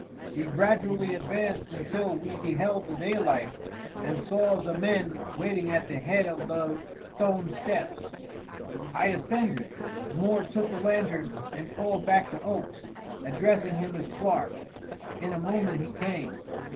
We gradually advanced until we beheld the daylight and saw the men waiting at the head of the stone steps. I ascended. Moore took the lantern and called back to Oakes, addressing him as Clark. In a moment he came.